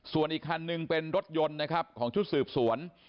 ส่วนอีกคันนึงเป็นรถยนต์นะครับของชุดสืบสวน